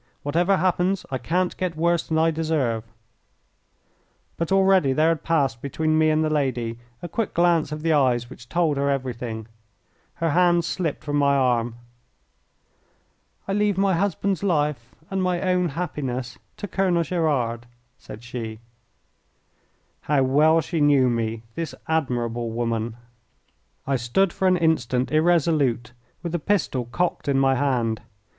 Whatever happens I can't get worse than I deserve." But already there had passed between me and the lady a quick glance of the eyes which told her everything. Her hands slipped from my arm. "I leave my husband's life and my own happiness to Colonel Gerard," said she. How well she knew me, this admirable woman! I stood for an instant irresolute, with the pistol cocked in my hand.